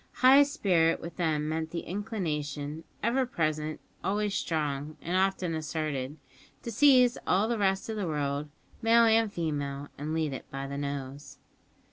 High spirit with them meant the inclination ever present, always strong, and often asserted to seize all the rest of the world, male and female, and lead it by the nose!